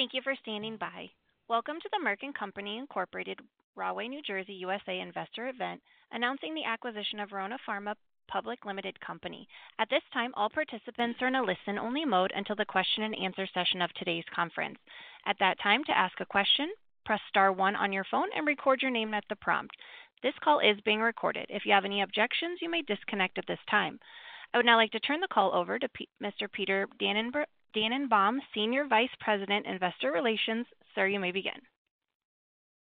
Thank you for standing by. Welcome to the Merck & Co., Inc., Rahway, New Jersey, USA investor event announcing the acquisition of Verona Pharma. At this time, all participants are in a listen-only mode until the question-and-answer session of today's conference. At that time, to ask a question, press star one on your phone and record your name at the prompt. This call is being recorded. If you have any objections, you may disconnect at this time. I would now like to turn the call over to Mr. Peter Dannenbaum, Senior Vice President, Investor Relations. Sir, you may begin.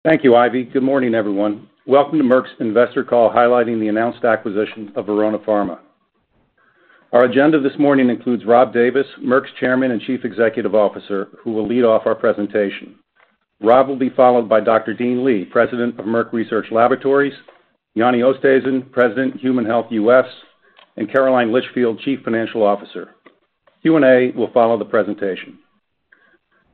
Thank you, Ivy. Good morning, everyone. Welcome to Merck's investor call highlighting the announced acquisition of Verona Pharma. Our agenda this morning includes Rob Davis, Merck's Chairman and Chief Executive Officer, who will lead off our presentation. Rob will be followed by Dr. Dean Li, President of Merck Research Laboratories, Jannie Oosthuizen, President of Human Health U.S., and Caroline Litchfield, Chief Financial Officer. Q&A will follow the presentation.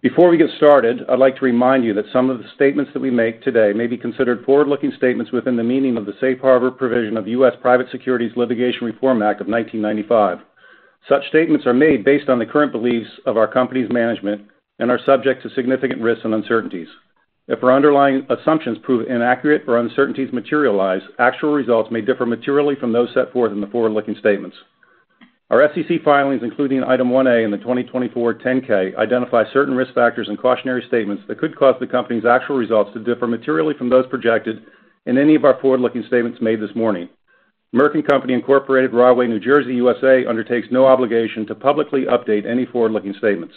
Before we get started, I'd like to remind you that some of the statements that we make today may be considered forward-looking statements within the meaning of the Safe Harbor Provision of U.S. Private Securities Litigation Reform Act of 1995. Such statements are made based on the current beliefs of our company's management and are subject to significant risks and uncertainties. If our underlying assumptions prove inaccurate or uncertainties materialize, actual results may differ materially from those set forth in the forward-looking statements. Our SEC filings, including item 1A in the 2024 10-K, identify certain risk factors and cautionary statements that could cause the company's actual results to differ materially from those projected in any of our forward-looking statements made this morning. Merck & Co., Inc., Rahway, New Jersey, USA undertakes no obligation to publicly update any forward-looking statements.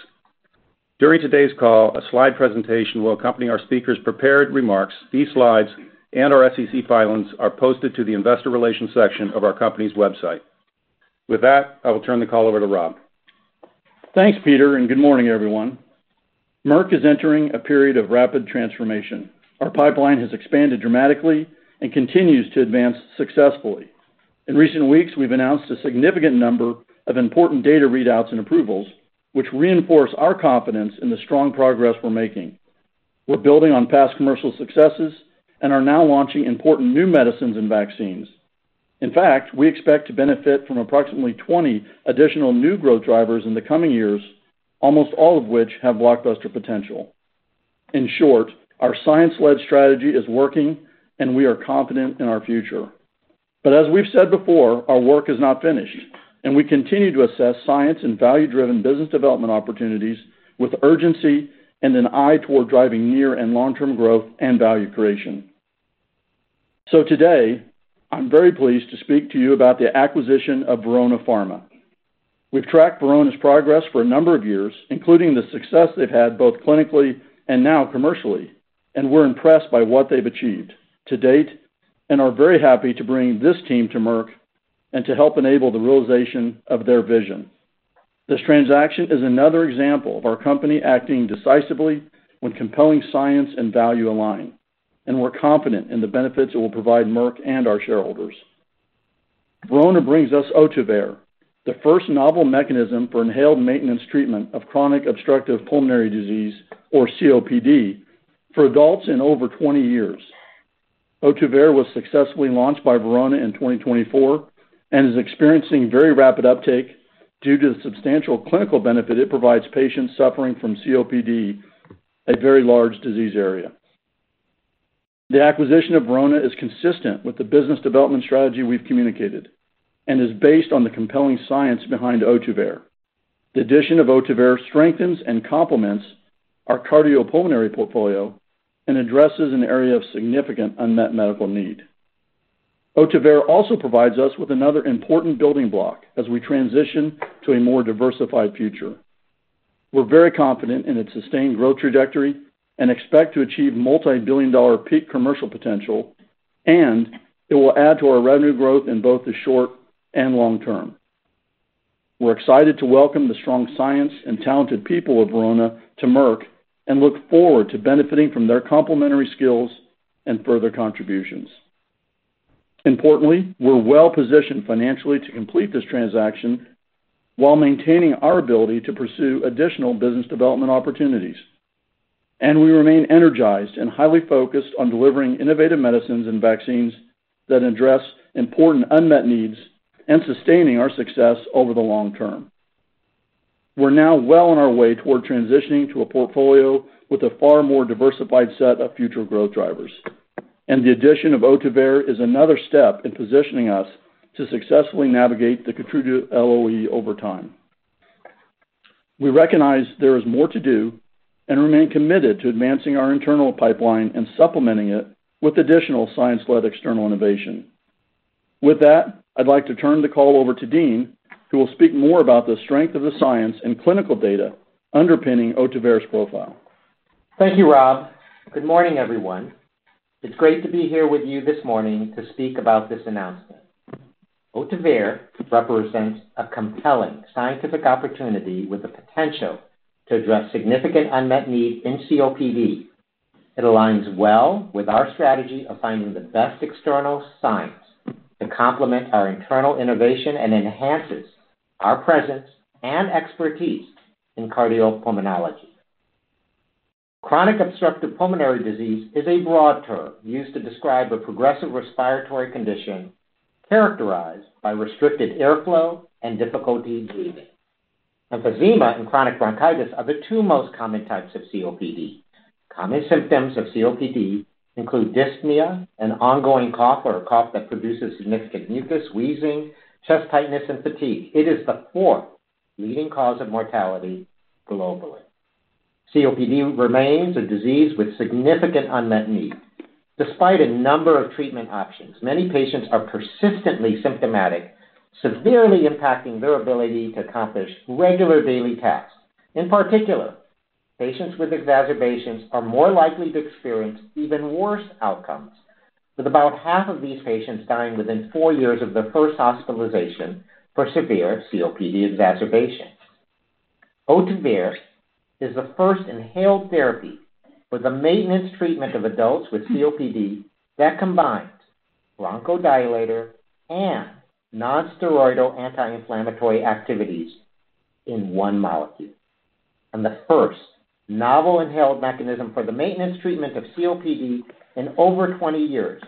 During today's call, a slide presentation will accompany our speakers' prepared remarks. These slides and our SEC filings are posted to the investor relations section of our company's website. With that, I will turn the call over to Rob. Thanks, Peter, and good morning, everyone. Merck is entering a period of rapid transformation. Our pipeline has expanded dramatically and continues to advance successfully. In recent weeks, we've announced a significant number of important data readouts and approvals, which reinforce our confidence in the strong progress we're making. We're building on past commercial successes and are now launching important new medicines and vaccines. In fact, we expect to benefit from approximately 20 additional new growth drivers in the coming years, almost all of which have blockbuster potential. In short, our science-led strategy is working, and we are confident in our future. As we've said before, our work is not finished, and we continue to assess science and value-driven business development opportunities with urgency and an eye toward driving near and long-term growth and value creation. Today, I'm very pleased to speak to you about the acquisition of Verona Pharma. We've tracked Verona's progress for a number of years, including the success they've had both clinically and now commercially, and we're impressed by what they've achieved to date and are very happy to bring this team to Merck and to help enable the realization of their vision. This transaction is another example of our company acting decisively when compelling science and value align, and we're confident in the benefits it will provide Merck and our shareholders. Verona brings us Ohtuvayre, the first novel mechanism for inhaled maintenance treatment of chronic obstructive pulmonary disease, or COPD, for adults in over 20 years. Ohtuvayre was successfully launched by Verona in 2024 and is experiencing very rapid uptake due to the substantial clinical benefit it provides patients suffering from COPD, a very large disease area. The acquisition of Verona is consistent with the business development strategy we've communicated and is based on the compelling science behind Ohtuvayre. The addition of Ohtuvayre strengthens and complements our cardiopulmonary portfolio and addresses an area of significant unmet medical need. Ohtuvayre also provides us with another important building block as we transition to a more diversified future. We're very confident in its sustained growth trajectory and expect to achieve multi-billion dollar peak commercial potential, and it will add to our revenue growth in both the short and long term. We're excited to welcome the strong science and talented people of Verona to Merck and look forward to benefiting from their complementary skills and further contributions. Importantly, we're well positioned financially to complete this transaction while maintaining our ability to pursue additional business development opportunities, and we remain energized and highly focused on delivering innovative medicines and vaccines that address important unmet needs and sustaining our success over the long term. We're now well on our way toward transitioning to a portfolio with a far more diversified set of future growth drivers, and the addition of Ohtuvayre is another step in positioning us to successfully navigate the contributed LOE over time. We recognize there is more to do and remain committed to advancing our internal pipeline and supplementing it with additional science-led external innovation. With that, I'd like to turn the call over to Dean, who will speak more about the strength of the science and clinical data underpinning Ohtuvayre's profile. Thank you, Rob. Good morning, everyone. It's great to be here with you this morning to speak about this announcement. Ohtuvayre represents a compelling scientific opportunity with the potential to address significant unmet needs in COPD. It aligns well with our strategy of finding the best external science to complement our internal innovation and enhances our presence and expertise in cardiopulmonology. Chronic obstructive pulmonary disease is a broad term used to describe a progressive respiratory condition characterized by restricted airflow and difficulty breathing. Emphysema and chronic bronchitis are the two most common types of COPD. Common symptoms of COPD include dyspnea and ongoing cough, or a cough that produces significant mucus, wheezing, chest tightness, and fatigue. It is the fourth leading cause of mortality globally. COPD remains a disease with significant unmet needs. Despite a number of treatment options, many patients are persistently symptomatic, severely impacting their ability to accomplish regular daily tasks. In particular, patients with exacerbations are more likely to experience even worse outcomes, with about half of these patients dying within four years of their first hospitalization for severe COPD exacerbation. Ohtuvayre is the first inhaled therapy for the maintenance treatment of adults with COPD that combines bronchodilator and nonsteroidal anti-inflammatory activities in one molecule. It is the first novel inhaled mechanism for the maintenance treatment of COPD in over 20 years.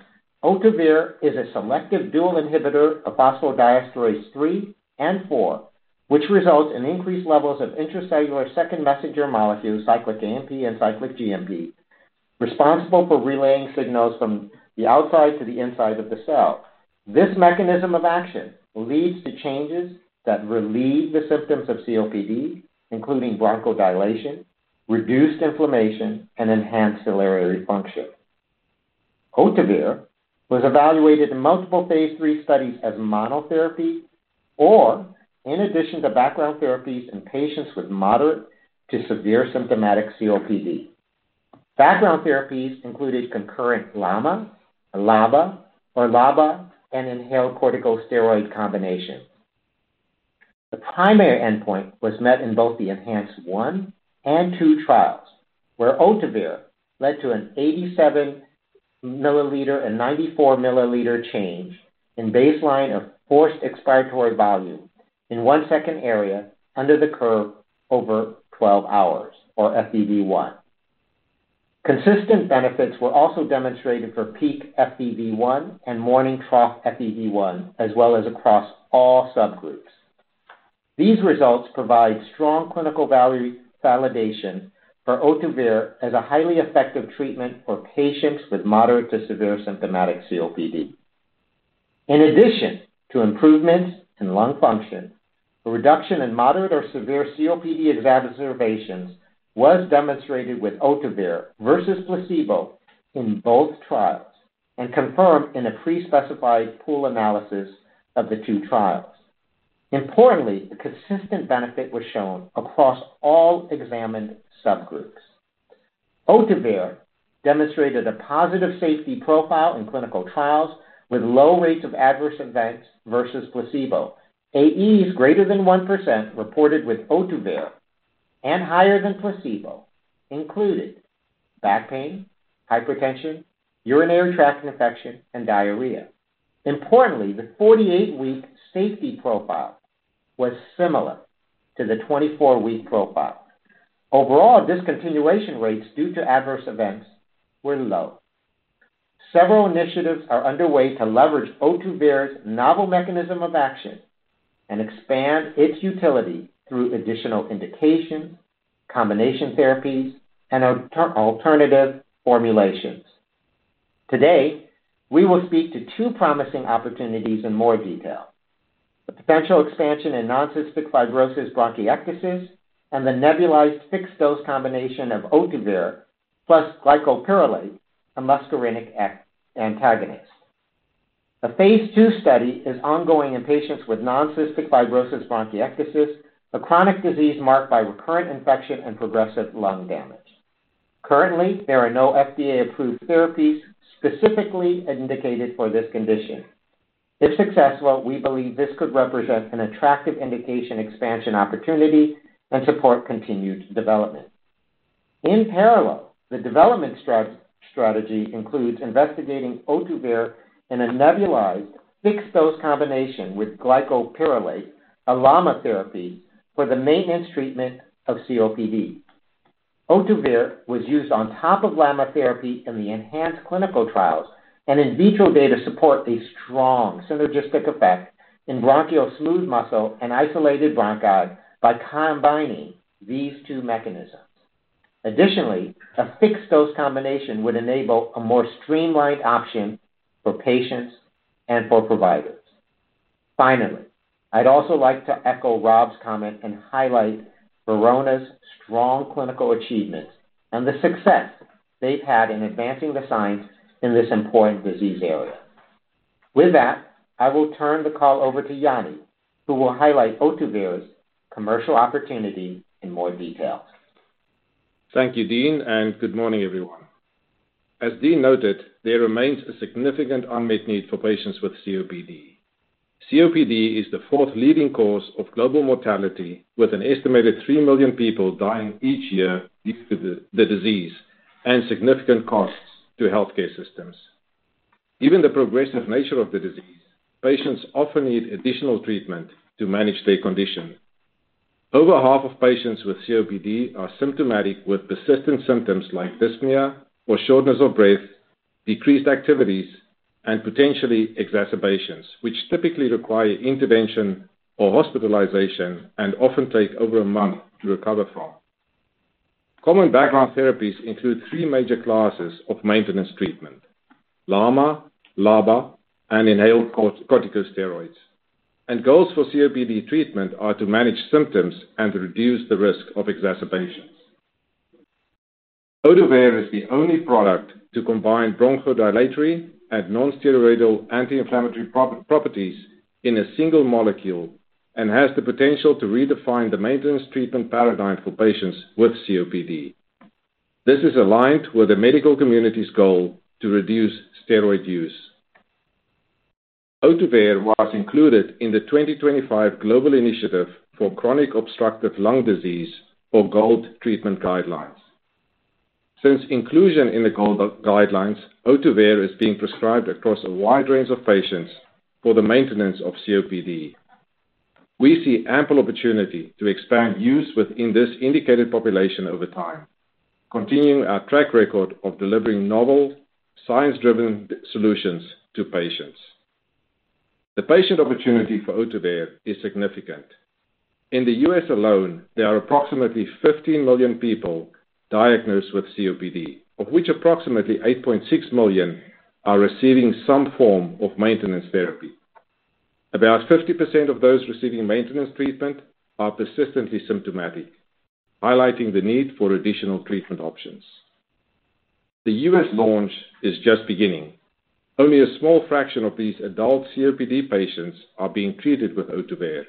Ohtuvayre is a selective dual inhibitor of phosphodiesterase 3 and 4, which results in increased levels of intracellular second messenger molecules, cyclic AMP and cyclic GMP, responsible for relaying signals from the outside to the inside of the cell. This mechanism of action leads to changes that relieve the symptoms of COPD, including bronchodilation, reduced inflammation, and enhanced ciliary function. Ohtuvayre was evaluated in multiple phase III studies as monotherapy or in addition to background therapies in patients with moderate to severe symptomatic COPD. Background therapies included concurrent LAMA, LABA, or LABA and inhaled corticosteroid combinations. The primary endpoint was met in both the ENHANCE-1 and -2 trials, where Ohtuvayre led to an 87 ml and 94 ml change in baseline of forced expiratory volume in one second area under the curve over 12 hours, or FEV1. Consistent benefits were also demonstrated for peak FEV1 and morning trough FEV1, as well as across all subgroups. These results provide strong clinical validation for Ohtuvayre as a highly effective treatment for patients with moderate to severe symptomatic COPD. In addition to improvements in lung function, a reduction in moderate or severe COPD exacerbations was demonstrated with Ohtuvayre versus placebo in both trials and confirmed in a pre-specified pool analysis of the two trials. Importantly, a consistent benefit was shown across all examined subgroups. Ohtuvayre demonstrated a positive safety profile in clinical trials with low rates of adverse events versus placebo. AEs greater than 1% reported with Ohtuvayre and higher than placebo included back pain, hypertension, urinary tract infection, and diarrhea. Importantly, the 48-week safety profile was similar to the 24-week profile. Overall, discontinuation rates due to adverse events were low. Several initiatives are underway to leverage Ohtuvayre's novel mechanism of action and expand its utility through additional indications, combination therapies, and alternative formulations. Today, we will speak to two promising opportunities in more detail: the potential expansion in noncystic fibrosis bronchiectasis and the nebulized fixed-dose combination of Ohtuvayre plus glycopyrrolate, a muscarinic antagonist. A phase II study is ongoing in patients with noncystic fibrosis bronchiectasis, a chronic disease marked by recurrent infection and progressive lung damage. Currently, there are no FDA-approved therapies specifically indicated for this condition. If successful, we believe this could represent an attractive indication expansion opportunity and support continued development. In parallel, the development strategy includes investigating Ohtuvayre in a nebulized fixed-dose combination with glycopyrrolate, a LAMA therapy for the maintenance treatment of COPD. Ohtuvayre was used on top of LAMA therapy in the enhanced clinical trials, and in vitro data support a strong synergistic effect in bronchial smooth muscle and isolated bronchi by combining these two mechanisms. Additionally, a fixed-dose combination would enable a more streamlined option for patients and for providers. Finally, I'd also like to echo Rob's comment and highlight Verona's strong clinical achievements and the success they've had in advancing the science in this important disease area. With that, I will turn the call over to Jannie, who will highlight Ohtuvayre's commercial opportunity in more detail. Thank you, Dean, and good morning, everyone. As Dean noted, there remains a significant unmet need for patients with COPD. COPD is the fourth leading cause of global mortality, with an estimated 3 million people dying each year due to the disease and significant costs to healthcare systems. Given the progressive nature of the disease, patients often need additional treatment to manage their condition. Over half of patients with COPD are symptomatic with persistent symptoms like dyspnea or shortness of breath, decreased activities, and potentially exacerbations, which typically require intervention or hospitalization and often take over a month to recover from. Common background therapies include three major classes of maintenance treatment: LAMA, LABA, and inhaled corticosteroids. Goals for COPD treatment are to manage symptoms and reduce the risk of exacerbations. Ohtuvayre is the only product to combine bronchodilatory and nonsteroidal anti-inflammatory properties in a single molecule and has the potential to redefine the maintenance treatment paradigm for patients with COPD. This is aligned with the medical community's goal to reduce steroid use. Ohtuvayre was included in the 2025 Global Initiative for Chronic Obstructive Lung Disease, or GOLD, treatment guidelines. Since inclusion in the GOLD guidelines, Ohtuvayre is being prescribed across a wide range of patients for the maintenance of COPD. We see ample opportunity to expand use within this indicated population over time, continuing our track record of delivering novel, science-driven solutions to patients. The patient opportunity for Ohtuvayre is significant. In the U.S. alone, there are approximately 15 million people diagnosed with COPD, of which approximately 8.6 million are receiving some form of maintenance therapy. About 50% of those receiving maintenance treatment are persistently symptomatic, highlighting the need for additional treatment options. The U.S. launch is just beginning. Only a small fraction of these adult COPD patients are being treated with Ohtuvayre,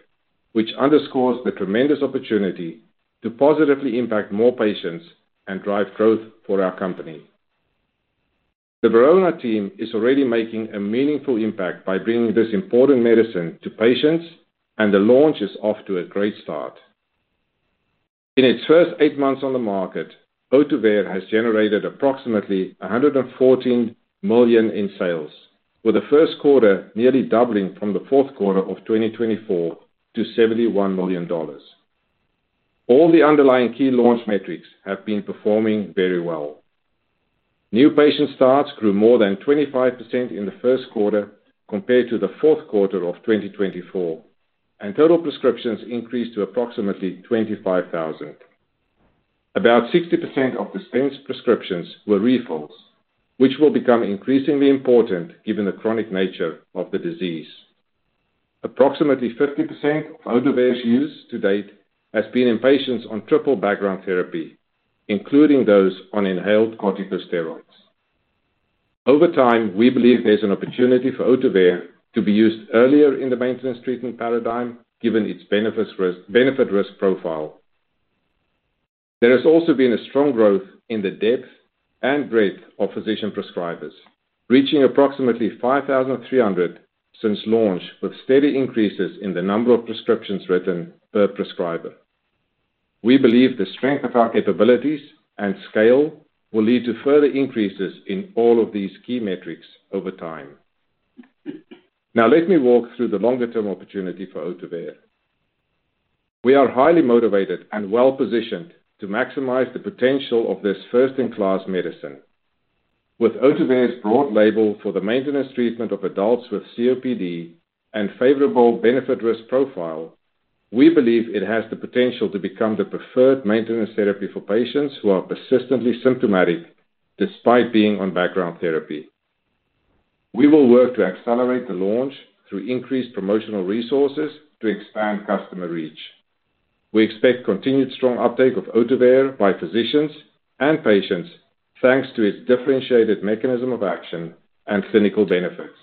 which underscores the tremendous opportunity to positively impact more patients and drive growth for our company. The Verona team is already making a meaningful impact by bringing this important medicine to patients, and the launch is off to a great start. In its first eight months on the market, Ohtuvayre has generated approximately $114 million in sales, with the first quarter nearly doubling from the fourth quarter of 2024 to $71 million. All the underlying key launch metrics have been performing very well. New patient starts grew more than 25% in the first quarter compared to the fourth quarter of 2024, and total prescriptions increased to approximately 25,000. About 60% of dispensed prescriptions were refills, which will become increasingly important given the chronic nature of the disease. Approximately 50% of Ohtuvayre's use to date has been in patients on triple background therapy, including those on inhaled corticosteroids. Over time, we believe there's an opportunity for Ohtuvayre to be used earlier in the maintenance treatment paradigm given its benefit risk profile. There has also been a strong growth in the depth and breadth of physician prescribers, reaching approximately 5,300 since launch, with steady increases in the number of prescriptions written per prescriber. We believe the strength of our capabilities and scale will lead to further increases in all of these key metrics over time. Now, let me walk through the longer-term opportunity for Ohtuvayre. We are highly motivated and well-positioned to maximize the potential of this first-in-class medicine. With Ohtuvayre's broad label for the maintenance treatment of adults with COPD and favorable benefit risk profile, we believe it has the potential to become the preferred maintenance therapy for patients who are persistently symptomatic despite being on background therapy. We will work to accelerate the launch through increased promotional resources to expand customer reach. We expect continued strong uptake of Ohtuvayre by physicians and patients thanks to its differentiated mechanism of action and clinical benefits.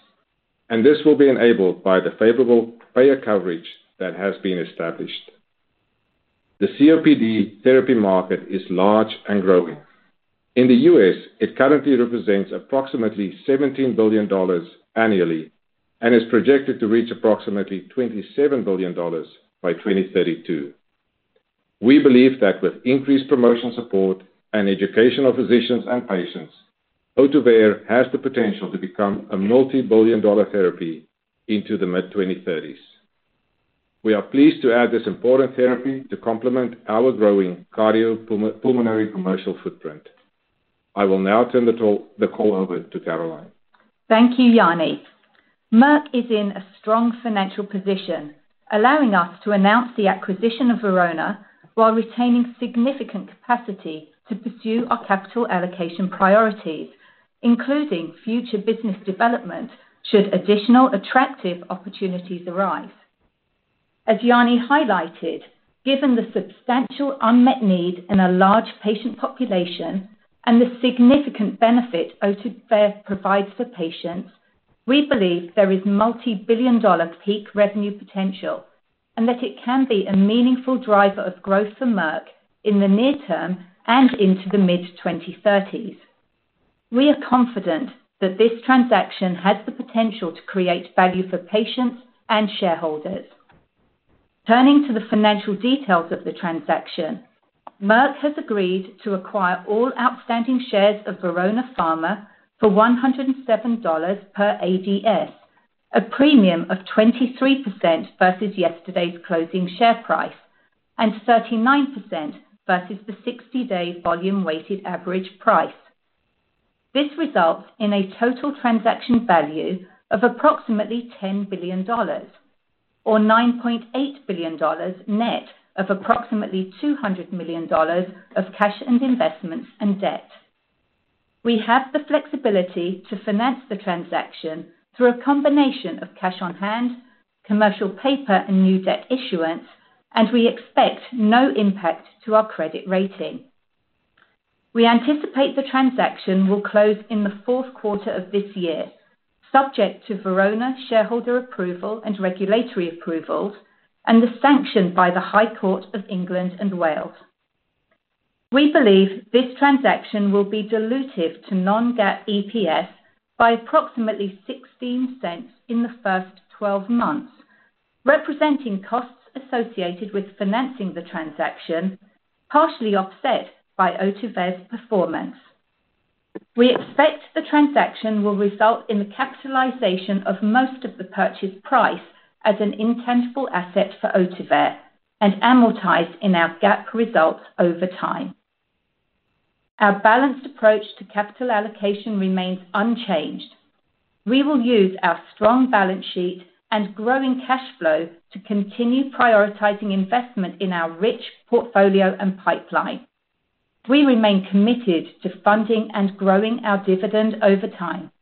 This will be enabled by the favorable payer coverage that has been established. The COPD therapy market is large and growing. In the U.S., it currently represents approximately $17 billion annually and is projected to reach approximately $27 billion by 2032. We believe that with increased promotion support and education of physicians and patients, Ohtuvayre has the potential to become a multi-billion dollar therapy into the mid-2030s. We are pleased to add this important therapy to complement our growing cardiopulmonary commercial footprint. I will now turn the call over to Caroline. Thank you, Yanni. Merck is in a strong financial position, allowing us to announce the acquisition of Verona while retaining significant capacity to pursue our capital allocation priorities, including future business development should additional attractive opportunities arise. As Yanni highlighted, given the substantial unmet need in a large patient population and the significant benefit Ohtuvayre provides for patients, we believe there is multi-billion dollar peak revenue potential and that it can be a meaningful driver of growth for Merck in the near term and into the mid-2030s. We are confident that this transaction has the potential to create value for patients and shareholders. Turning to the financial details of the transaction, Merck has agreed to acquire all outstanding shares of Verona Pharma for $107 per ADS, a premium of 23% versus yesterday's closing share price and 39% versus the 60-day volume-weighted average price. This results in a total transaction value of approximately $10 billion or $9.8 billion net of approximately $200 million of cash and investments and debt. We have the flexibility to finance the transaction through a combination of cash on hand, commercial paper, and new debt issuance, and we expect no impact to our credit rating. We anticipate the transaction will close in the fourth quarter of this year, subject to Verona shareholder approval and regulatory approvals and the sanction by the High Court of England and Wales. We believe this transaction will be dilutive to non-GAAP EPS by approximately $0.16 in the first 12 months, representing costs associated with financing the transaction, partially offset by Ohtuvayre's performance. We expect the transaction will result in the capitalization of most of the purchase price as an intangible asset for Ohtuvayre and amortized in our GAAP results over time. Our balanced approach to capital allocation remains unchanged. We will use our strong balance sheet and growing cash flow to continue prioritizing investment in our rich portfolio and pipeline. We remain committed to funding and growing our dividend over time,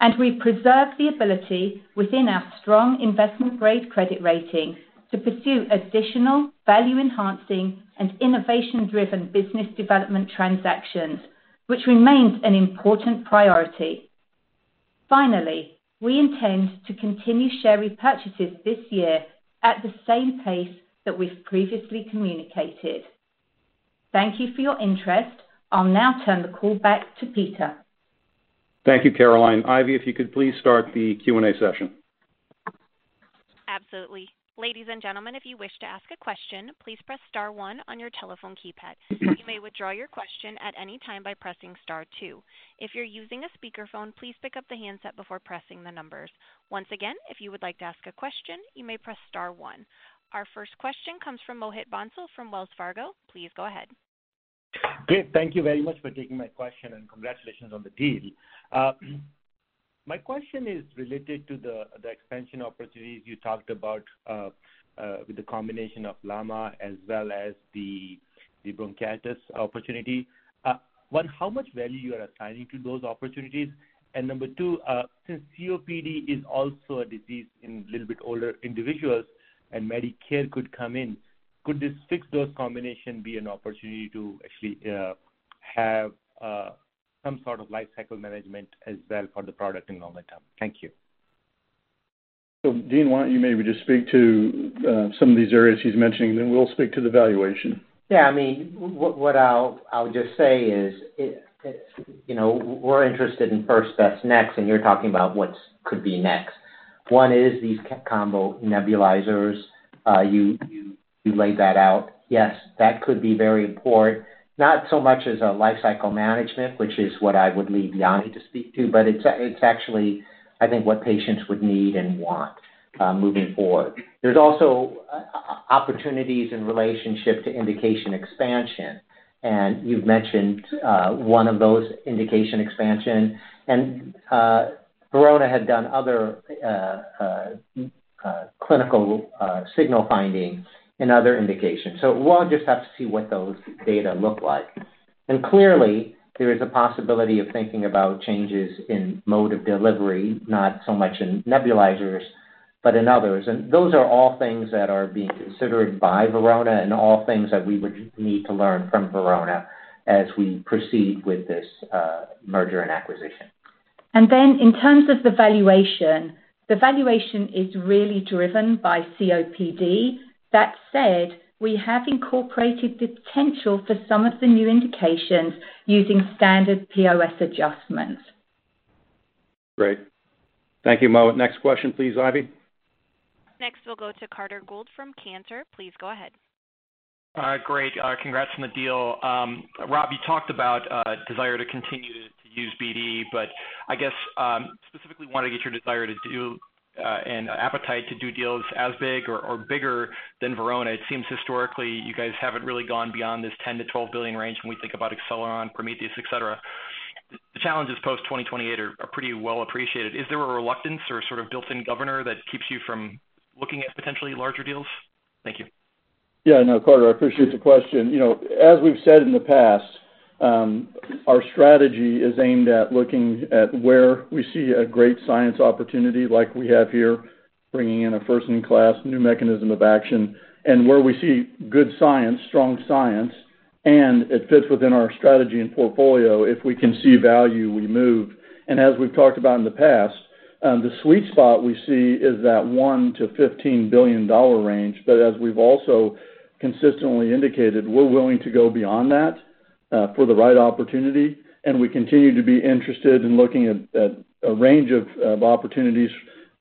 and we preserve the ability within our strong investment-grade credit rating to pursue additional value-enhancing and innovation-driven business development transactions, which remains an important priority. Finally, we intend to continue share repurchases this year at the same pace that we've previously communicated. Thank you for your interest. I'll now turn the call back to Peter. Thank you, Caroline. Ivy, if you could please start the Q&A session. Absolutely. Ladies and gentlemen, if you wish to ask a question, please press star one on your telephone keypad. You may withdraw your question at any time by pressing star two. If you're using a speakerphone, please pick up the handset before pressing the numbers. Once again, if you would like to ask a question, you may press star one. Our first question comes from Mohit Bansal from Wells Fargo. Please go ahead. Great. Thank you very much for taking my question and congratulations on the deal. My question is related to the expansion opportunities you talked about with the combination of LAMA as well as the bronchiectasis opportunity. One, how much value you are assigning to those opportunities? Number two, since COPD is also a disease in a little bit older individuals and Medicare could come in, could this fixed-dose combination be an opportunity to actually have some sort of lifecycle management as well for the product in longer term? Thank you. Dean, why don't you maybe just speak to some of these areas he's mentioning, and then we'll speak to the valuation. Yeah. I mean, what I'll just say is we're interested in first, best, next, and you're talking about what could be next. One is these combo nebulizers. You laid that out. Yes, that could be very important, not so much as a lifecycle management, which is what I would leave Yanni to speak to, but it's actually, I think, what patients would need and want moving forward. There's also opportunities in relationship to indication expansion. You mentioned one of those indication expansion. Verona had done other clinical signal finding in other indications. We'll just have to see what those data look like. Clearly, there is a possibility of thinking about changes in mode of delivery, not so much in nebulizers, but in others. Those are all things that are being considered by Verona and all things that we would need to learn from Verona as we proceed with this merger and acquisition. In terms of the valuation, the valuation is really driven by COPD. That said, we have incorporated the potential for some of the new indications using standard POS adjustments. Great. Thank you, Mohit. Next question, please, Ivy. Next, we'll go to Carter Gould from Cantor. Please go ahead. Great. Congrats on the deal. Rob, you talked about a desire to continue to use BDE, but I guess specifically wanted to get your desire to do and appetite to do deals as big or bigger than Verona. It seems historically you guys have not really gone beyond this $10 billion-$12 billion range when we think about Acceleron, Prometheus, etc. The challenges post-2028 are pretty well appreciated. Is there a reluctance or sort of built-in governor that keeps you from looking at potentially larger deals? Thank you. Yeah. No, Carter, I appreciate the question. As we've said in the past, our strategy is aimed at looking at where we see a great science opportunity like we have here, bringing in a first-in-class new mechanism of action and where we see good science, strong science, and it fits within our strategy and portfolio. If we can see value, we move. As we've talked about in the past, the sweet spot we see is that $1 billion-$15 billion range. As we've also consistently indicated, we're willing to go beyond that for the right opportunity. We continue to be interested in looking at a range of opportunities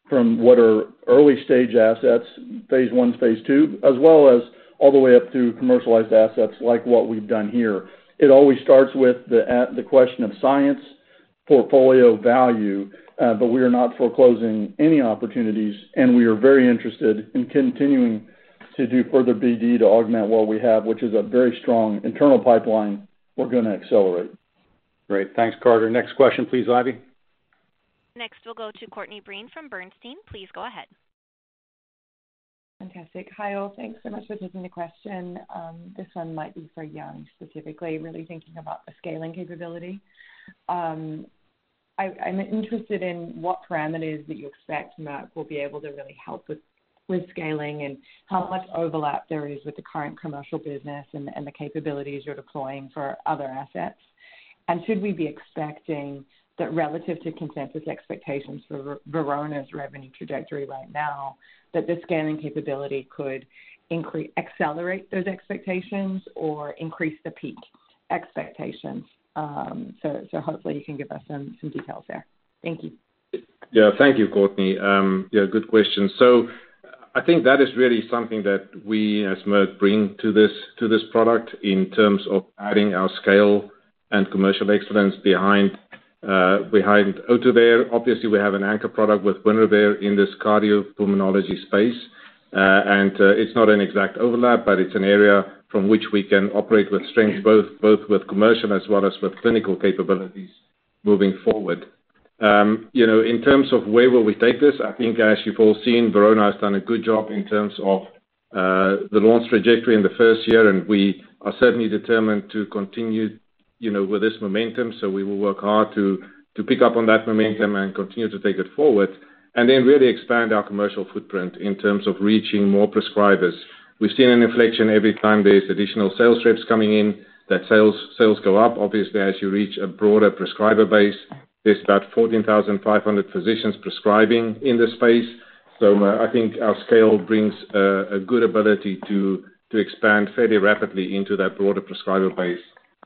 from what are early-stage assets, phase I, phase II, as well as all the way up through commercialized assets like what we've done here. It always starts with the question of science, portfolio value, but we are not foreclosing any opportunities, and we are very interested in continuing to do further BD to augment what we have, which is a very strong internal pipeline we're going to accelerate. Great. Thanks, Carter. Next question, please, Ivy. Next, we'll go to Courtney Breen from Bernstein. Please go ahead. Fantastic. Hi all. Thanks so much for taking the question. This one might be for Yanni specifically, really thinking about the scaling capability. I'm interested in what parameters that you expect Merck will be able to really help with scaling and how much overlap there is with the current commercial business and the capabilities you're deploying for other assets. Should we be expecting that relative to consensus expectations for Verona's revenue trajectory right now, that the scaling capability could accelerate those expectations or increase the peak expectations? Hopefully, you can give us some details there. Thank you. Yeah. Thank you, Courtney. Yeah, good question. I think that is really something that we as Merck bring to this product in terms of adding our scale and commercial excellence behind Ohtuvayre. Obviously, we have an anchor product with Winrevair in this cardiopulmonology space. It is not an exact overlap, but it is an area from which we can operate with strength, both with commercial as well as with clinical capabilities moving forward. In terms of where will we take this, I think, as you have all seen, Verona has done a good job in terms of the launch trajectory in the first year, and we are certainly determined to continue with this momentum. We will work hard to pick up on that momentum and continue to take it forward and then really expand our commercial footprint in terms of reaching more prescribers. We've seen an inflection every time there's additional sales reps coming in, that sales go up. Obviously, as you reach a broader prescriber base, there's about 14,500 physicians prescribing in this space. I think our scale brings a good ability to expand fairly rapidly into that broader prescriber base,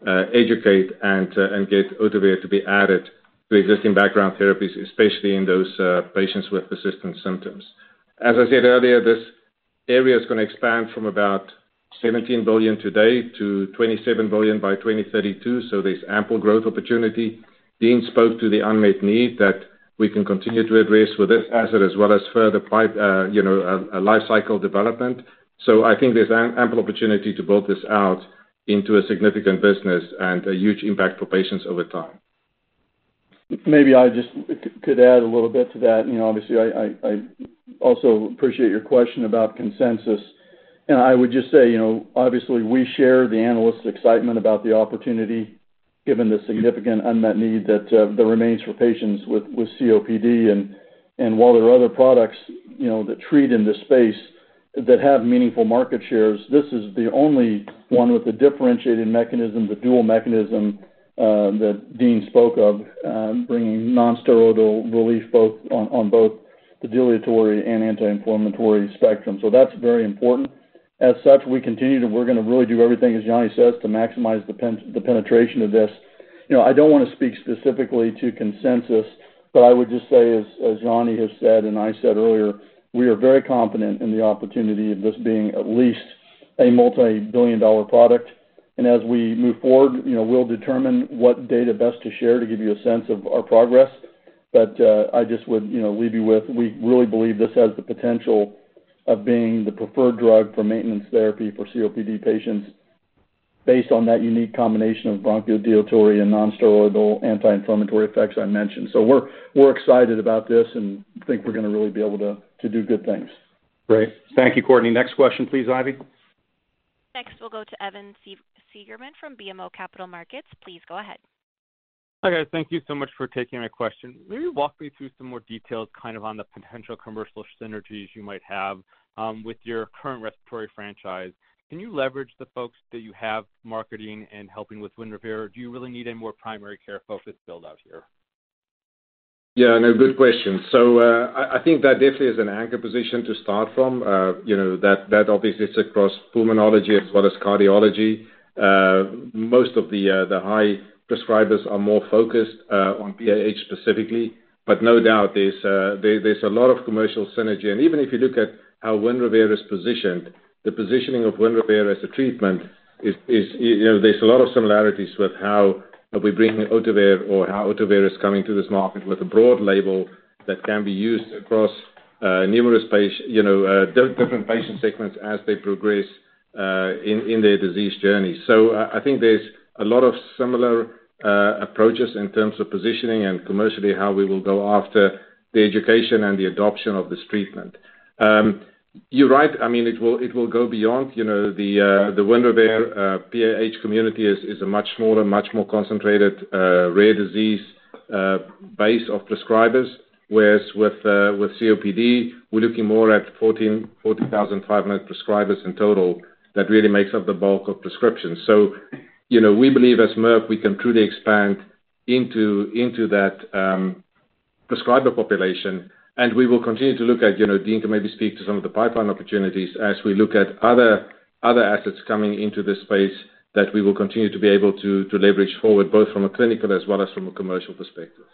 educate, and get Ohtuvayre to be added to existing background therapies, especially in those patients with persistent symptoms. As I said earlier, this area is going to expand from about $17 billion today to $27 billion by 2032. There's ample growth opportunity. Dean spoke to the unmet need that we can continue to address with this asset as well as further lifecycle development. I think there's ample opportunity to build this out into a significant business and a huge impact for patients over time. Maybe I just could add a little bit to that. Obviously, I also appreciate your question about consensus. I would just say, obviously, we share the analysts' excitement about the opportunity given the significant unmet need that remains for patients with COPD. While there are other products that treat in this space that have meaningful market shares, this is the only one with a differentiated mechanism, the dual mechanism that Dean spoke of, bringing nonsteroidal relief both on both the dilatory and anti-inflammatory spectrum. That is very important. As such, we continue to—we are going to really do everything, as Yanni says, to maximize the penetration of this. I do not want to speak specifically to consensus, but I would just say, as Yanni has said and I said earlier, we are very confident in the opportunity of this being at least a multi-billion dollar product. As we move forward, we'll determine what data best to share to give you a sense of our progress. I just would leave you with we really believe this has the potential of being the preferred drug for maintenance therapy for COPD patients based on that unique combination of bronchodilatory and nonsteroidal anti-inflammatory effects I mentioned. We are excited about this and think we're going to really be able to do good things. Great. Thank you, Courtney. Next question, please, Ivy. Next, we'll go to Evan Seagerman from BMO Capital Markets. Please go ahead. Hi, guys. Thank you so much for taking my question. Maybe walk me through some more details kind of on the potential commercial synergies you might have with your current respiratory franchise. Can you leverage the folks that you have marketing and helping with Winrevair? Or do you really need a more primary care focus build-out here? Yeah. No, good question. I think that definitely is an anchor position to start from. That obviously is across pulmonology as well as cardiology. Most of the high prescribers are more focused on PAH specifically, but no doubt there's a lot of commercial synergy. Even if you look at how Winrevair is positioned, the positioning of Winrevair as a treatment, there's a lot of similarities with how we bring Ohtuvayre or how Ohtuvayre is coming to this market with a broad label that can be used across numerous different patient segments as they progress in their disease journey. I think there's a lot of similar approaches in terms of positioning and commercially how we will go after the education and the adoption of this treatment. You're right. I mean, it will go beyond the Winrevair PAH community, which is a much smaller, much more concentrated rare disease base of prescribers, whereas with COPD, we're looking more at 14,500 prescribers in total. That really makes up the bulk of prescriptions. We believe as Merck, we can truly expand into that prescriber population. We will continue to look at—Dean can maybe speak to some of the pipeline opportunities as we look at other assets coming into this space that we will continue to be able to leverage forward both from a clinical as well as from a commercial perspective.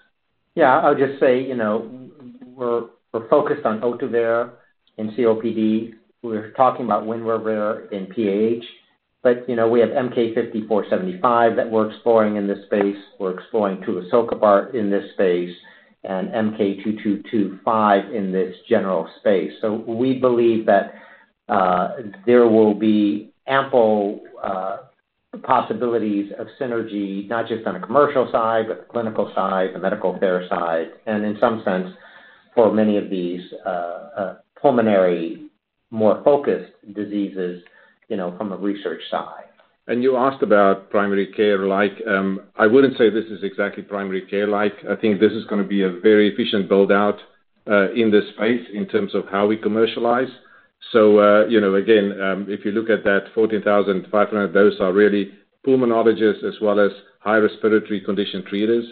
Yeah. I'll just say we're focused on Ohtuvayre in COPD. We're talking about Winrevair in PAH, but we have MK-5475 that we're exploring in this space. We're exploring Tulithocobart in this space and MK-2225 in this general space. We believe that there will be ample possibilities of synergy, not just on a commercial side, but the clinical side, the medical care side, and in some sense for many of these pulmonary more focused diseases from a research side. You asked about primary care-like. I would not say this is exactly primary care-like. I think this is going to be a very efficient build-out in this space in terms of how we commercialize. Again, if you look at that 14,500, those are really pulmonologists as well as high respiratory condition treaters.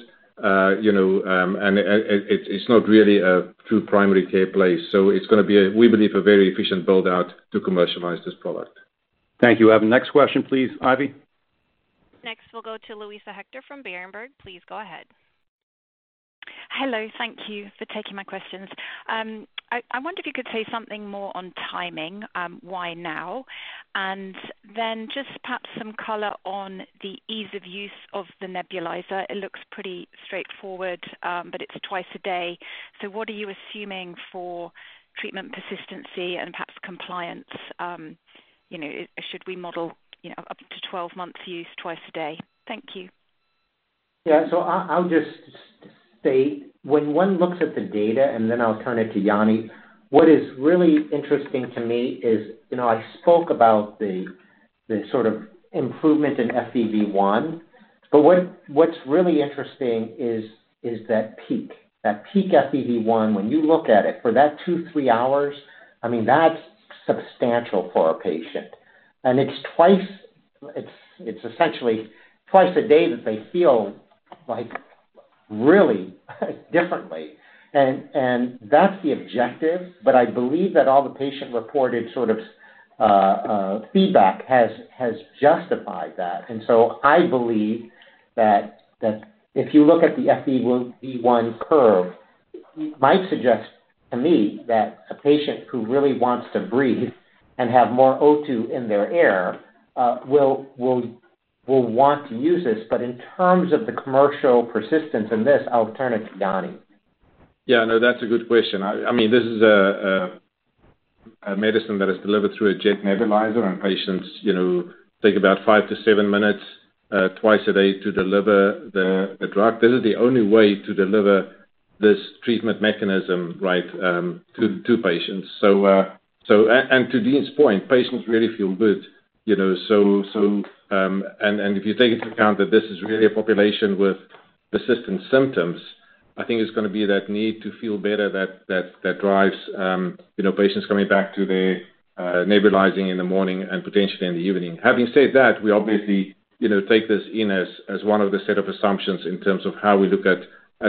It is not really a true primary care place. It is going to be, we believe, a very efficient build-out to commercialize this product. Thank you, Evan. Next question, please, Ivy. Next, we'll go to Louisa Hector from Berenberg. Please go ahead. Hello. Thank you for taking my questions. I wonder if you could say something more on timing, why now? Then just perhaps some color on the ease of use of the nebulizer. It looks pretty straightforward, but it's twice a day. What are you assuming for treatment persistency and perhaps compliance? Should we model up to 12-month use twice a day? Thank you. Yeah. I'll just state when one looks at the data, and then I'll turn it to Yanni, what is really interesting to me is I spoke about the sort of improvement in FEV1, but what's really interesting is that peak. That peak FEV1, when you look at it for that two, three hours, I mean, that's substantial for a patient. It's essentially twice a day that they feel really differently. That's the objective, but I believe that all the patient-reported sort of feedback has justified that. I believe that if you look at the FEV1 curve, it might suggest to me that a patient who really wants to breathe and have more O2 in their air will want to use this. In terms of the commercial persistence in this, I'll turn it to Yanni. Yeah. No, that's a good question. I mean, this is a medicine that is delivered through a jet nebulizer, and patients take about five to seven minutes twice a day to deliver the drug. This is the only way to deliver this treatment mechanism, right, to patients. And to Dean's point, patients really feel good. If you take into account that this is really a population with persistent symptoms, I think it's going to be that need to feel better that drives patients coming back to their nebulizing in the morning and potentially in the evening. Having said that, we obviously take this in as one of the set of assumptions in terms of how we look at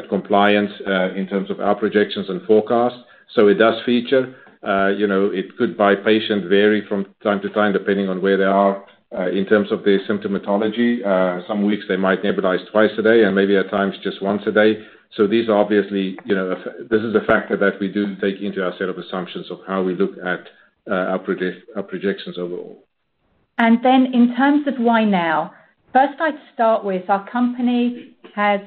compliance in terms of our projections and forecast. It does feature. It could by patient vary from time to time depending on where they are in terms of their symptomatology. Some weeks, they might nebulize twice a day and maybe at times just once a day. These are obviously a factor that we do take into our set of assumptions of how we look at our projections overall. In terms of why now, first, I'd start with our company has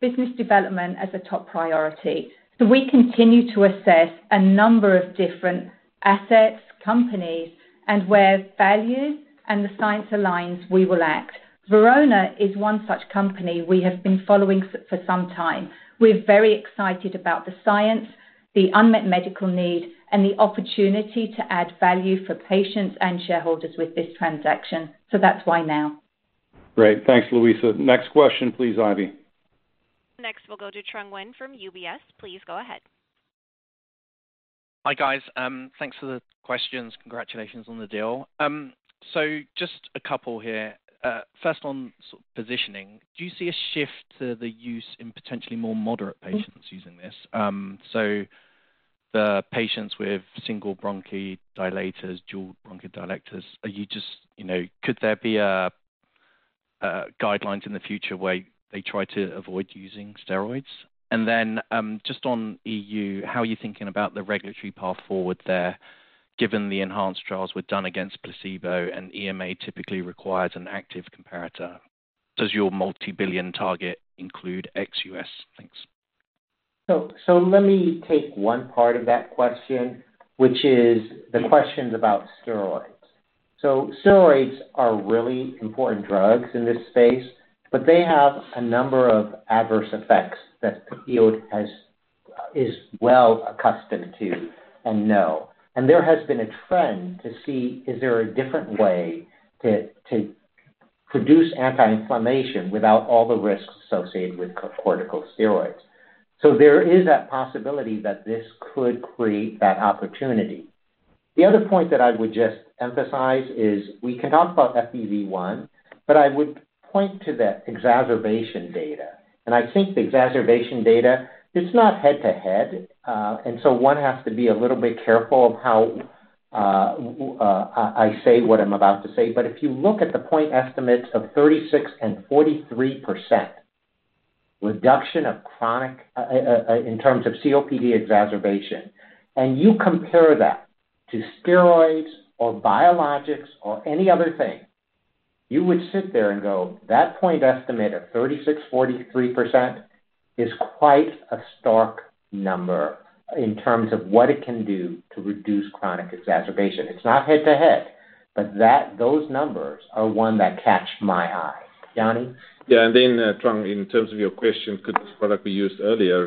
business development as a top priority. We continue to assess a number of different assets, companies, and where value and the science aligns, we will act. Verona is one such company we have been following for some time. We're very excited about the science, the unmet medical need, and the opportunity to add value for patients and shareholders with this transaction. That's why now. Great. Thanks, Louisa. Next question, please, Ivy. Next, we'll go to Trung Nguyen from UBS. Please go ahead. Hi, guys. Thanks for the questions. Congratulations on the deal. Just a couple here. First one, positioning. Do you see a shift to the use in potentially more moderate patients using this? The patients with single bronchial dilators, dual bronchial dilators, could there be guidelines in the future where they try to avoid using steroids? Just on EU, how are you thinking about the regulatory path forward there given the enhanced trials we have done against placebo and EMA typically requires an active comparator? Does your multi-billion target include XUS? Thanks. Let me take one part of that question, which is the questions about steroids. Steroids are really important drugs in this space, but they have a number of adverse effects that the field is well accustomed to and know. There has been a trend to see is there a different way to produce anti-inflammation without all the risks associated with corticosteroids. There is that possibility that this could create that opportunity. The other point that I would just emphasize is we can talk about FEV1, but I would point to the exacerbation data. I think the exacerbation data, it's not head-to-head. One has to be a little bit careful of how I say what I'm about to say. If you look at the point estimates of 36% and 43% reduction of chronic in terms of COPD exacerbation, and you compare that to steroids or biologics or any other thing, you would sit there and go, "That point estimate of 36%, 43% is quite a stark number in terms of what it can do to reduce chronic exacerbation." It's not head-to-head, but those numbers are one that catch my eye. Yanni? Yeah. Trung, in terms of your question, could this product be used earlier?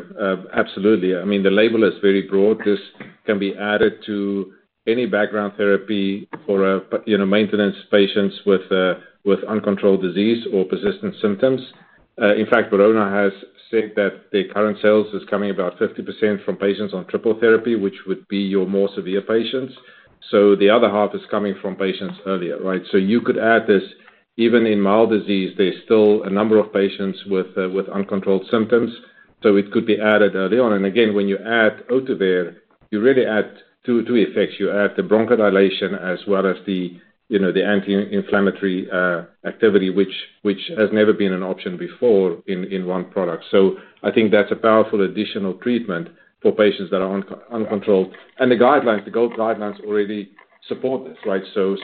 Absolutely. I mean, the label is very broad. This can be added to any background therapy for maintenance patients with uncontrolled disease or persistent symptoms. In fact, Verona has said that their current sales is coming about 50% from patients on triple therapy, which would be your more severe patients. The other half is coming from patients earlier, right? You could add this. Even in mild disease, there are still a number of patients with uncontrolled symptoms. It could be added early on. Again, when you add Ohtuvayre, you really add two effects. You add the bronchodilation as well as the anti-inflammatory activity, which has never been an option before in one product. I think that is a powerful additional treatment for patients that are uncontrolled. The guidelines, the GOLD guidelines already support this, right? Those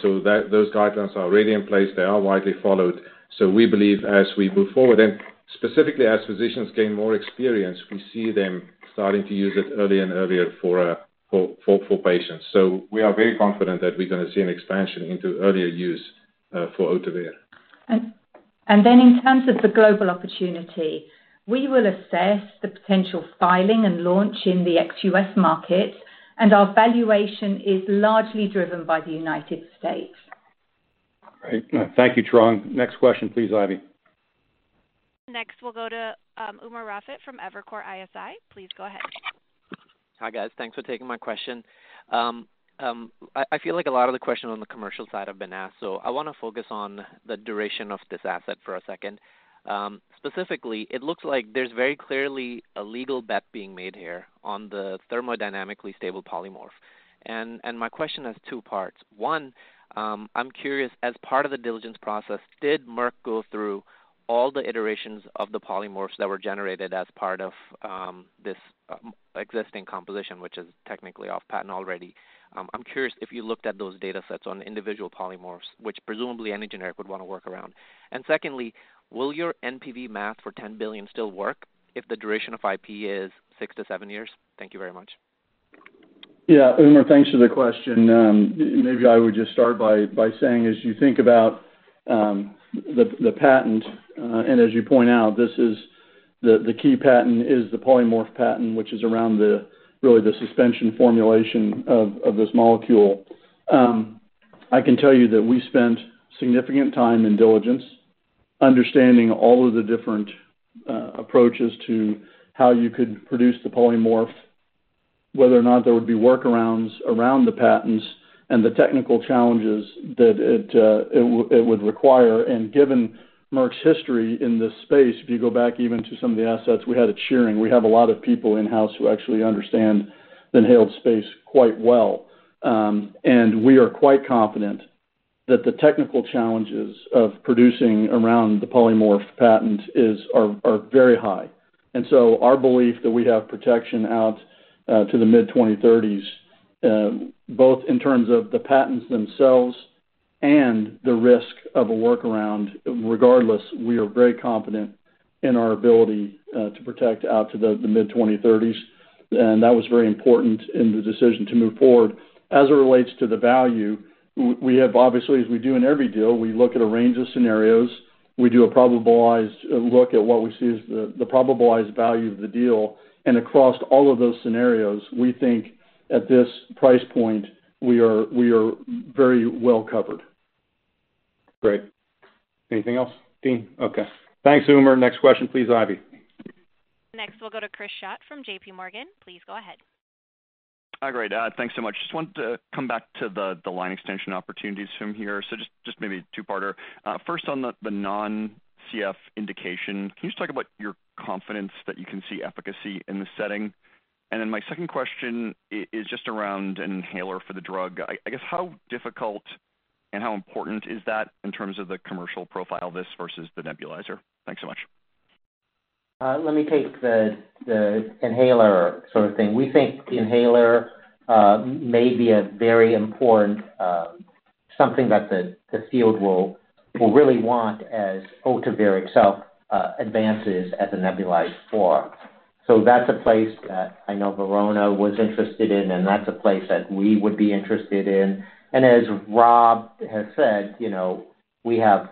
guidelines are already in place. They are widely followed. We believe as we move forward, and specifically as physicians gain more experience, we see them starting to use it earlier and earlier for patients. We are very confident that we're going to see an expansion into earlier use for Ohtuvayre. In terms of the global opportunity, we will assess the potential filing and launch in the ex-U.S. market. Our valuation is largely driven by the United States. Great. Thank you, Trung. Next question, please, Ivy. Next, we'll go to Umer Raffat from Evercore ISI. Please go ahead. Hi, guys. Thanks for taking my question. I feel like a lot of the questions on the commercial side have been asked. I want to focus on the duration of this asset for a second. Specifically, it looks like there's very clearly a legal bet being made here on the thermodynamically stable polymorph. My question has two parts. One, I'm curious, as part of the diligence process, did Merck go through all the iterations of the polymorphs that were generated as part of this existing composition, which is technically off-patent already? I'm curious if you looked at those data sets on individual polymorphs, which presumably any generic would want to work around. Secondly, will your NPV math for $10 billion still work if the duration of IP is six to seven years? Thank you very much. Yeah. Umer, thanks for the question. Maybe I would just start by saying as you think about the patent, and as you point out, the key patent is the polymorph patent, which is around really the suspension formulation of this molecule. I can tell you that we spent significant time in diligence understanding all of the different approaches to how you could produce the polymorph, whether or not there would be workarounds around the patents and the technical challenges that it would require. Given Merck's history in this space, if you go back even to some of the assets we had at Schering, we have a lot of people in-house who actually understand the inhaled space quite well. We are quite confident that the technical challenges of producing around the polymorph patent are very high. Our belief is that we have protection out to the mid-2030s, both in terms of the patents themselves and the risk of a workaround. Regardless, we are very confident in our ability to protect out to the mid-2030s. That was very important in the decision to move forward. As it relates to the value, we have obviously, as we do in every deal, looked at a range of scenarios. We do a probabilized look at what we see as the probabilized value of the deal. Across all of those scenarios, we think at this price point, we are very well covered. Great. Anything else, Dean? Okay. Thanks, Umer. Next question, please, Ivy. Next, we'll go to Chris Schott from JPMorgan. Please go ahead. Hi, great. Thanks so much. Just wanted to come back to the line extension opportunities from here. Just maybe two-parter. First, on the non-CF indication, can you just talk about your confidence that you can see efficacy in this setting? My second question is just around an inhaler for the drug. I guess, how difficult and how important is that in terms of the commercial profile of this versus the nebulizer? Thanks so much. Let me take the inhaler sort of thing. We think the inhaler may be a very important something that the field will really want as Ohtuvayre itself advances as a nebulizer form. That is a place that I know Verona was interested in, and that is a place that we would be interested in. As Rob has said, we have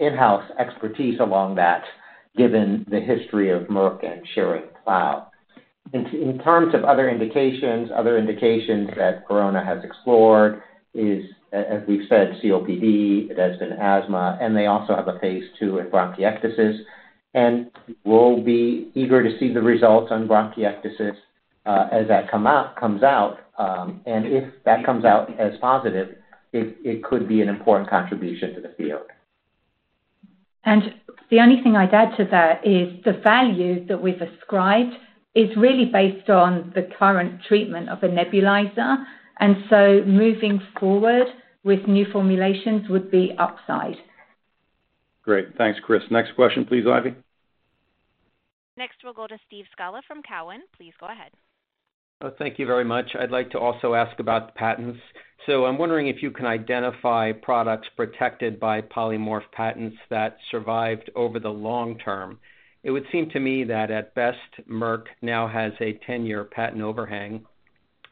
in-house expertise along that given the history of Merck and Schering-Plough. In terms of other indications, other indications that Verona has explored is, as we have said, COPD, it has been asthma, and they also have a phase II in bronchiectasis. We will be eager to see the results on bronchiectasis as that comes out. If that comes out as positive, it could be an important contribution to the field. The only thing I'd add to that is the value that we've ascribed is really based on the current treatment of a nebulizer. Moving forward with new formulations would be upside. Great. Thanks, Chris. Next question, please, Ivy. Next, we'll go to Steve Scala from Cowen. Please go ahead. Thank you very much. I'd like to also ask about patents. I'm wondering if you can identify products protected by polymorph patents that survived over the long term. It would seem to me that at best, Merck now has a 10-year patent overhang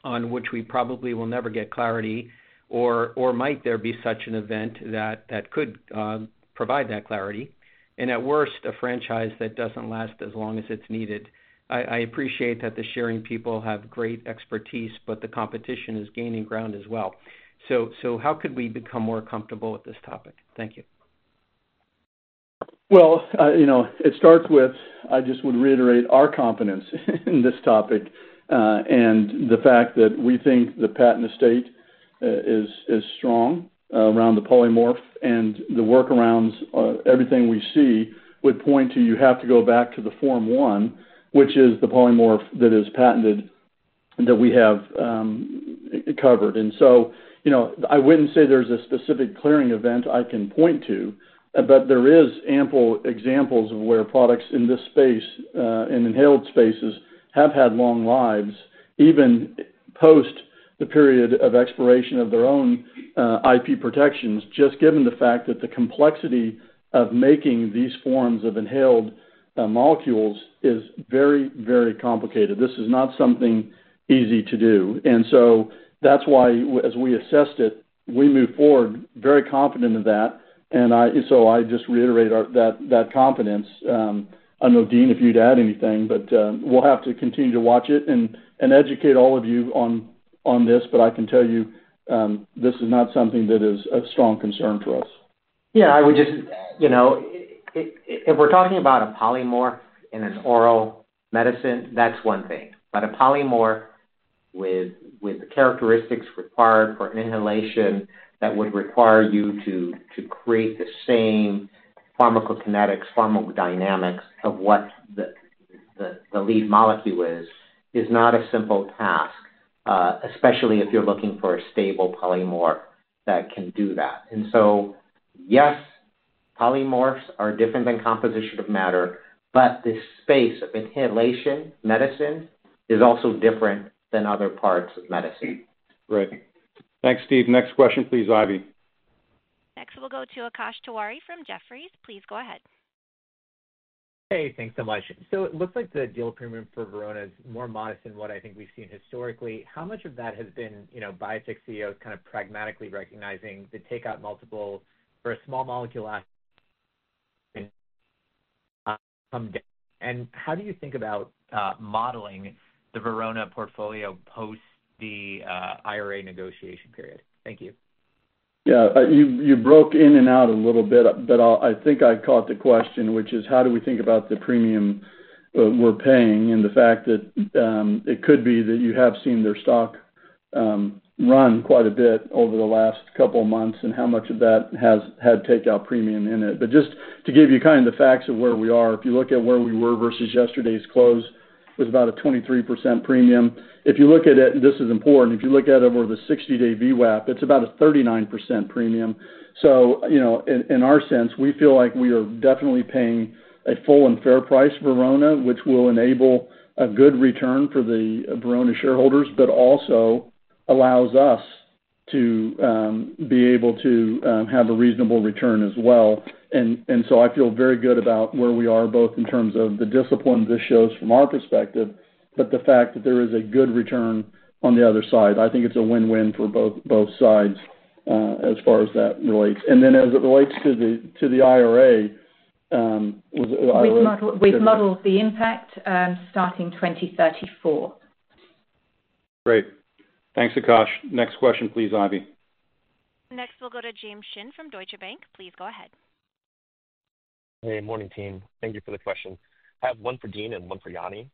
on which we probably will never get clarity, or might there be such an event that could provide that clarity? At worst, a franchise that doesn't last as long as it's needed. I appreciate that the Schering people have great expertise, but the competition is gaining ground as well. How could we become more comfortable with this topic? Thank you. I just would reiterate our confidence in this topic and the fact that we think the patent estate is strong around the polymorph. The workarounds, everything we see, would point to you have to go back to the Form One, which is the polymorph that is patented that we have covered. I would not say there is a specific clearing event I can point to, but there are ample examples of where products in this space, in inhaled spaces, have had long lives even post the period of expiration of their own IP protections, just given the fact that the complexity of making these forms of inhaled molecules is very, very complicated. This is not something easy to do. That is why, as we assessed it, we move forward very confident of that. I just reiterate that confidence. I don't know, Dean, if you'd add anything, but we'll have to continue to watch it and educate all of you on this. I can tell you this is not something that is a strong concern for us. Yeah. I would just if we're talking about a polymorph in an oral medicine, that's one thing. But a polymorph with the characteristics required for inhalation that would require you to create the same pharmacokinetics, pharmacodynamics of what the lead molecule is, is not a simple task, especially if you're looking for a stable polymorph that can do that. Yes, polymorphs are different than composition of matter, but the space of inhalation medicine is also different than other parts of medicine. Great. Thanks, Steve. Next question, please, Ivy. Next, we'll go to Akash Tewari from Jefferies. Please go ahead. Hey, thanks so much. It looks like the deal premium for Verona is more modest than what I think we've seen historically. How much of that has been Biotech CEOs kind of pragmatically recognizing the takeout multiple for a small molecule? How do you think about modeling the Verona portfolio post the IRA negotiation period? Thank you. Yeah. You broke in and out a little bit, but I think I caught the question, which is how do we think about the premium we're paying and the fact that it could be that you have seen their stock run quite a bit over the last couple of months and how much of that has had takeout premium in it. Just to give you kind of the facts of where we are, if you look at where we were versus yesterday's close, it was about a 23% premium. If you look at it, and this is important, if you look at it over the 60-day VWAP, it's about a 39% premium. In our sense, we feel like we are definitely paying a full and fair price for Verona, which will enable a good return for the Verona shareholders, but also allows us to be able to have a reasonable return as well. I feel very good about where we are, both in terms of the discipline this shows from our perspective, but the fact that there is a good return on the other side. I think it's a win-win for both sides as far as that relates. As it relates to the IRA, was it? We've modeled the impact starting 2034. Great. Thanks, Akash. Next question, please, Ivy. Next, we'll go to James Shin from Deutsche Bank. Please go ahead. Hey, morning, team. Thank you for the question. I have one for Dean and one for Yanni.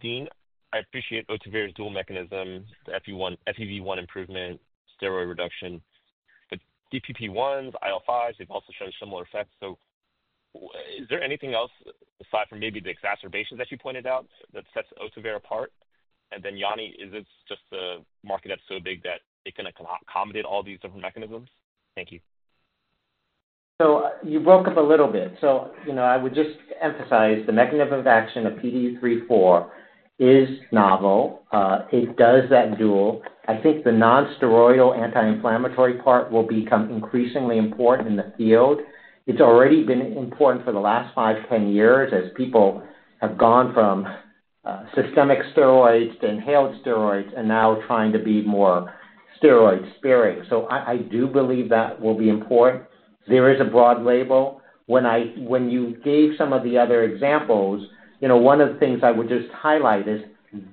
Dean, I appreciate Ohtuvayre's dual mechanism, the FEV1 improvement, steroid reduction, but DPP-1s, IL-5s, they've also shown similar effects. Is there anything else aside from maybe the exacerbations that you pointed out that sets Ohtuvayre apart? Yanni, is this just a market that's so big that it can accommodate all these different mechanisms? Thank you. You broke up a little bit. I would just emphasize the mechanism of action of PDE3/4 is novel. It does that dual. I think the non-steroidal anti-inflammatory part will become increasingly important in the field. It has already been important for the last five, 10 years as people have gone from systemic steroids to inhaled steroids and now trying to be more steroid-sparing. I do believe that will be important. There is a broad label. When you gave some of the other examples, one of the things I would just highlight is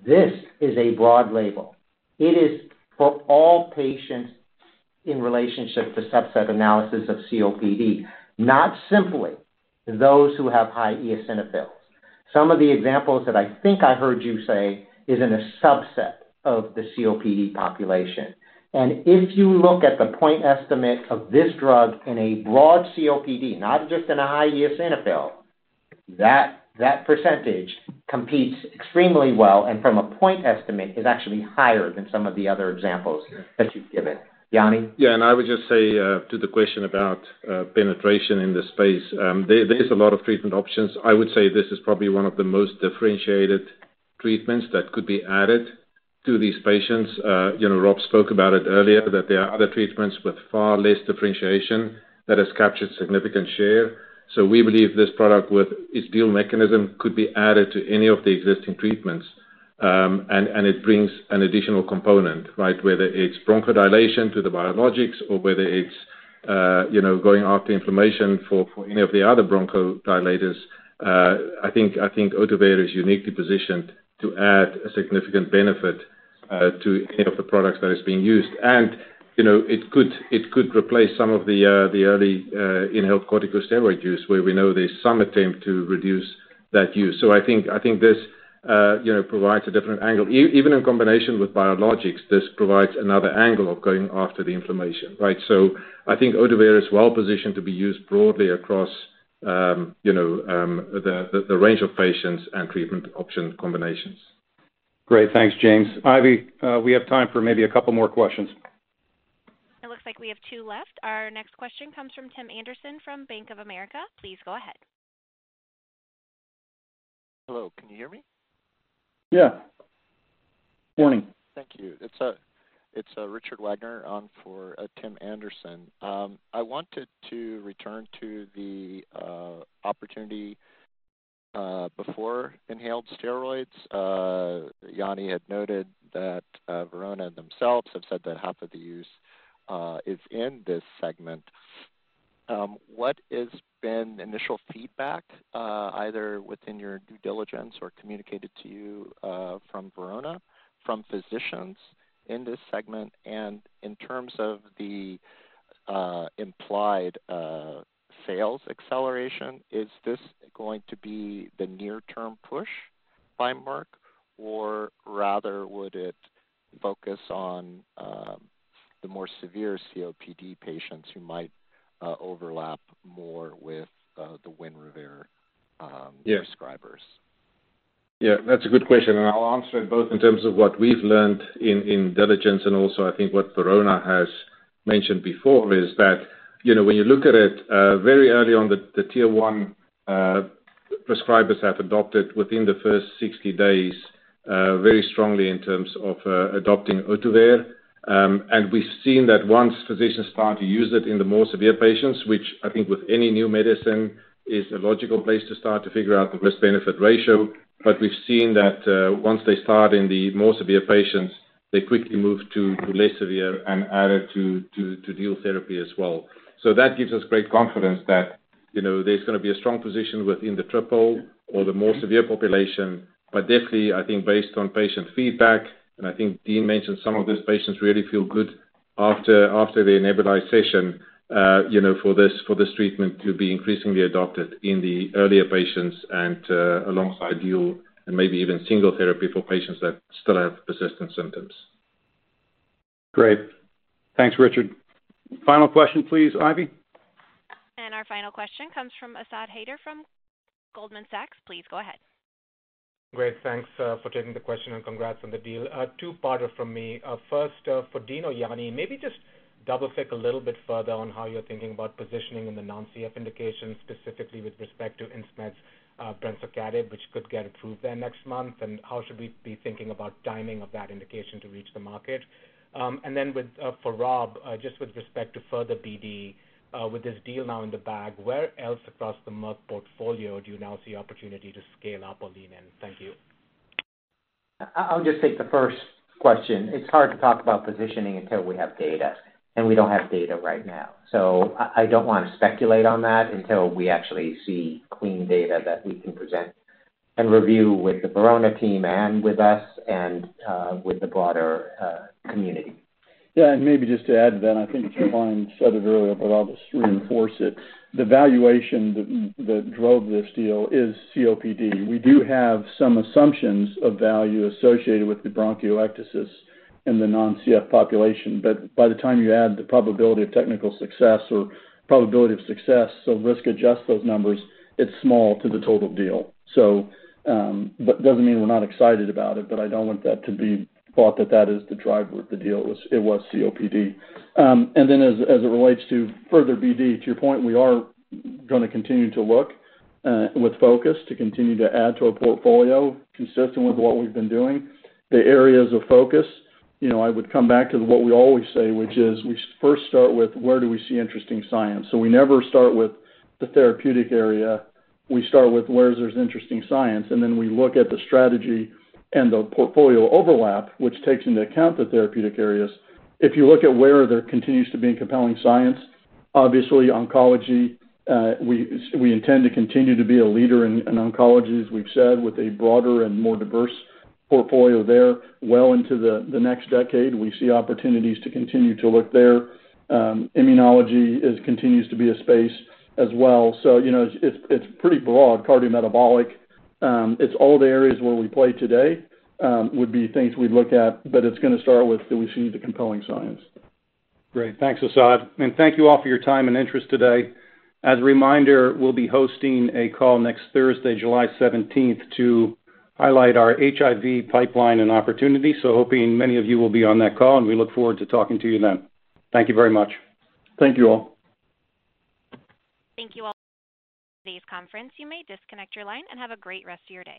this is a broad label. It is for all patients in relationship to subset analysis of COPD, not simply those who have high eosinophils. Some of the examples that I think I heard you say is in a subset of the COPD population. If you look at the point estimate of this drug in a broad COPD, not just in a high eosinophil, that percentage competes extremely well. From a point estimate, it is actually higher than some of the other examples that you've given. Yanni? Yeah. I would just say to the question about penetration in this space, there's a lot of treatment options. I would say this is probably one of the most differentiated treatments that could be added to these patients. Rob spoke about it earlier, that there are other treatments with far less differentiation that have captured significant share. We believe this product with its dual mechanism could be added to any of the existing treatments. It brings an additional component, right? Whether it's bronchodilation to the biologics or whether it's going after inflammation for any of the other bronchodilators, I think Ohtuvayre is uniquely positioned to add a significant benefit to any of the products that are being used. It could replace some of the early inhaled corticosteroid use where we know there's some attempt to reduce that use. I think this provides a different angle. Even in combination with biologics, this provides another angle of going after the inflammation, right? I think Ohtuvayre is well positioned to be used broadly across the range of patients and treatment option combinations. Great. Thanks, James. Ivy, we have time for maybe a couple more questions. It looks like we have two left. Our next question comes from Tim Anderson from Bank of America. Please go ahead. Hello. Can you hear me? Yeah. Morning. Thank you. It's Richard Wagner on for Tim Anderson. I wanted to return to the opportunity before inhaled steroids. Yanni had noted that Verona themselves have said that half of the use is in this segment. What has been initial feedback, either within your due diligence or communicated to you from Verona, from physicians in this segment? In terms of the implied sales acceleration, is this going to be the near-term push by Merck, or rather would it focus on the more severe COPD patients who might overlap more with the Winrevair prescribers? Yeah. That's a good question. I'll answer it both in terms of what we've learned in diligence and also, I think, what Verona has mentioned before is that when you look at it very early on, the tier one prescribers have adopted within the first 60 days very strongly in terms of adopting Ohtuvayre. We've seen that once physicians start to use it in the more severe patients, which I think with any new medicine is a logical place to start to figure out the risk-benefit ratio. We've seen that once they start in the more severe patients, they quickly move to less severe and add it to dual therapy as well. That gives us great confidence that there's going to be a strong position within the triple or the more severe population. I think based on patient feedback, and I think Dean mentioned some of these patients really feel good after the nebulized session for this treatment to be increasingly adopted in the earlier patients and alongside dual and maybe even single therapy for patients that still have persistent symptoms. Great. Thanks, Richard. Final question, please, Ivy. Our final question comes from Asad Haider from Goldman Sachs. Please go ahead. Great. Thanks for taking the question and congrats on the deal. Two-parter from me. First, for Dean or Yanni, maybe just double-click a little bit further on how you're thinking about positioning in the non-CF indication, specifically with respect to Insmed's brensocatib, which could get approved there next month, and how should we be thinking about timing of that indication to reach the market? For Rob, just with respect to further BD, with this deal now in the bag, where else across the Merck portfolio do you now see opportunity to scale up or lean in? Thank you. I'll just take the first question. It's hard to talk about positioning until we have data, and we don't have data right now. I don't want to speculate on that until we actually see clean data that we can present and review with the Verona team and with us and with the broader community. Yeah. Maybe just to add to that, I think Caroline said it earlier, but I'll just reinforce it. The valuation that drove this deal is COPD. We do have some assumptions of value associated with the bronchiectasis in the non-CF population. By the time you add the probability of technical success or probability of success, so risk-adjust those numbers, it's small to the total deal. It does not mean we're not excited about it, but I do not want that to be thought that that is the driver of the deal. It was COPD. As it relates to further BD, to your point, we are going to continue to look with focus to continue to add to our portfolio consistent with what we've been doing. The areas of focus, I would come back to what we always say, which is we first start with where do we see interesting science. We never start with the therapeutic area. We start with where there's interesting science, and then we look at the strategy and the portfolio overlap, which takes into account the therapeutic areas. If you look at where there continues to be compelling science, obviously, oncology, we intend to continue to be a leader in oncology, as we've said, with a broader and more diverse portfolio there. Into the next decade, we see opportunities to continue to look there. Immunology continues to be a space as well. It is pretty broad. Cardiometabolic, it is all the areas where we play today would be things we'd look at, but it is going to start with do we see the compelling science. Great. Thanks, Asad. Thank you all for your time and interest today. As a reminder, we will be hosting a call next Thursday, July 17, to highlight our HIV pipeline and opportunity. Hoping many of you will be on that call, and we look forward to talking to you then. Thank you very much. Thank you all. Thank you all for today's conference. You may disconnect your line and have a great rest of your day.